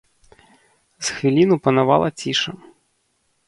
З хвіліну панавала ціша.